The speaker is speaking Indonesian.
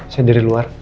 saya dari luar